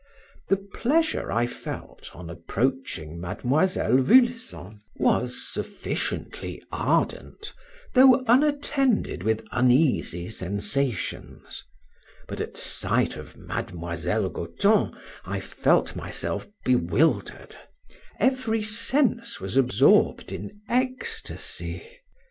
The pleasure I felt on approaching Miss Vulson was sufficiently ardent, though unattended with uneasy sensations; but at sight of Miss Goton, I felt myself bewildered every sense was absorbed in ecstasy.